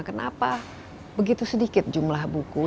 kenapa begitu sedikit jumlah buku